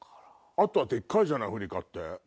あとはでっかいアフリカって。